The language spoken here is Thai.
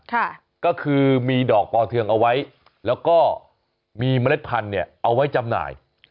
ค่ะก็คือมีดอกปอเทืองเอาไว้แล้วก็มีเมล็ดพันธุ์เนี่ยเอาไว้จำหน่าย